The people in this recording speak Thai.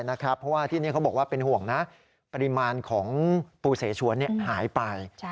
เพราะว่าที่นี่เขาบอกว่าเป็นห่วงนะปริมาณของปูเสชวนหายไป